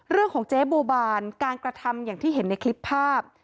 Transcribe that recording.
เรื่องของเจ๊โบบานการกระทำอย่างที่เห็นในคลิปภาพ